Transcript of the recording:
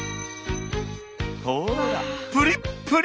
ほらプリップリ！